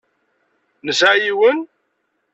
Nesɛa yiwen?